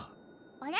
あれ？